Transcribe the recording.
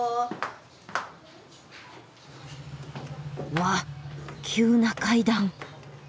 わっ急な階段！